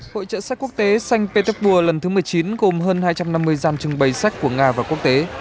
hội trợ sách quốc tế xanh petersburg lần thứ một mươi chín gồm hơn hai trăm năm mươi gian trưng bày sách của nga và quốc tế